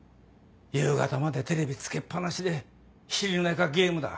夕方までテレビつけっ放しで昼寝かゲームだ。